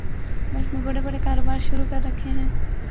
ملک میں بڑے بڑے کاروبار شروع کر رکھے ہیں